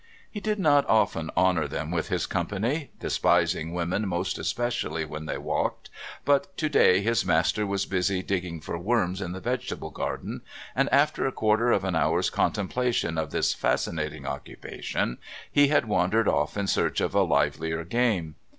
He did not often honour them with his company, despising women most especially when they walked, but to day his master was busy digging for worms in the vegetable garden, and, after a quarter of an hour's contemplation of this fascinating occupation, he had wandered off in search of a livelier game.